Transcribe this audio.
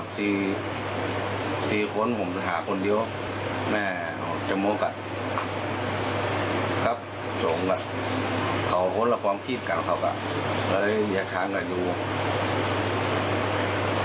เพราะว่าความคิดก่อนเขากันก็เลยอยากทางกระดูก